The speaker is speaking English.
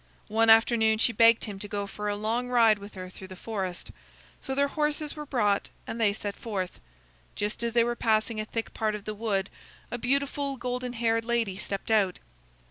One afternoon she begged him to go for a long ride with her through the forest. So their horses were brought and they set forth. Just as they were passing a thick part of the wood, a beautiful golden haired lady stepped out.